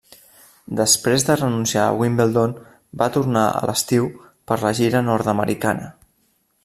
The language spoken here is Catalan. Després de renunciar a Wimbledon, va tornar a l'estiu per la gira nord-americana.